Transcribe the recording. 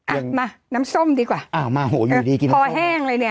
อ่ะมาน้ำส้มดีกว่าอ้าวมาโหอยู่ดีกินคอแห้งเลยเนี่ย